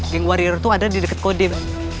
game wario itu ada di deket kodim